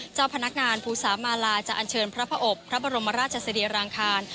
เจ้าพนักงานภูสามาลาจะอัญเชิญพระอบพระบรมราชสรีรางคาร